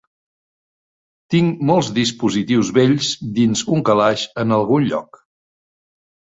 Tinc molts dispositius vells dins un calaix en algun lloc.